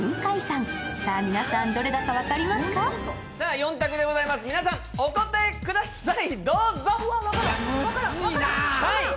４択でございます、皆さんお答えください。